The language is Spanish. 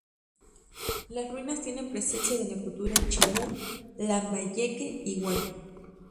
Las ruinas tiene presencia de la cultura chimú, lambayeque y wari.